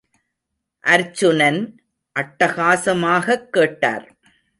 அர்ச்சுனன், அட்டகாசமாகக் கேட்டார்.